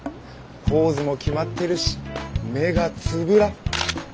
ポーズも決まってるし目がつぶら！